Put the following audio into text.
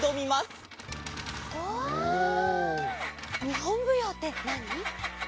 日本舞踊ってなに？